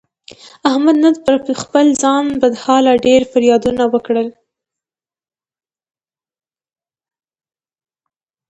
احمد نن پر خپل بد حالت ډېر فریادونه وکړل.